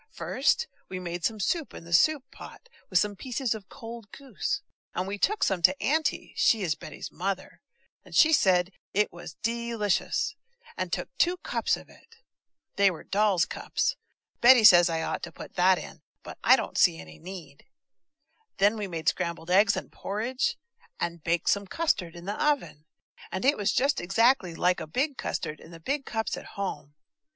First, we made soup in the soup pot, with some pieces of cold goose, and we took some to Auntie (she is Betty's mother), and she said it was de licious, and took two cups of it. (They were doll's cups; Betty says I ought to put that in, but I don't see any need.) Then we made scrambled egg and porridge, and baked some custard in the oven, and it was just exactly like a big custard in the big cups at home.